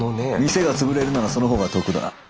店が潰れるならその方が得だ。